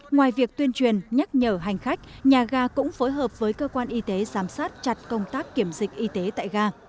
ngoài việc tuyên truyền nhắc nhở hành khách nhà ga cũng phối hợp với cơ quan y tế giám sát chặt công tác kiểm dịch y tế tại ga